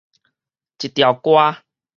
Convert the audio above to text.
一條歌